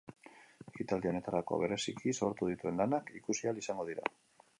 Ekitadi honetarako bereziki sortu dituen lanak ikusi ahal izango dira.